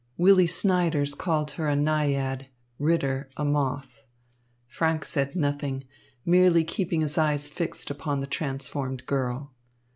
Willy Snyders called her a naiad, Ritter a moth. Franck said nothing, merely keeping his eyes fixed upon the transformed girl.